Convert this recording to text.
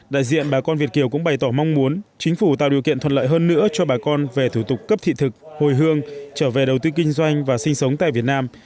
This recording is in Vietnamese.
đại diện bà con việt kiều cũng bày tỏ mong muốn chính phủ tạo điều kiện thuận lợi hơn nữa cho bà con về thủ tục cấp thị thực hồi hương trở về đầu tư kinh doanh và sinh sống tại việt nam